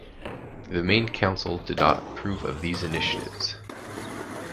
The Main Council did not approve of these initiatives.